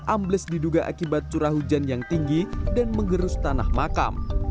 ambles diduga akibat curah hujan yang tinggi dan mengerus tanah makam